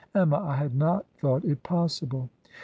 Emma, I had not thought it possible!